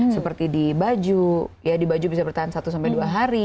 seperti di baju ya di baju bisa bertahan satu sampai dua hari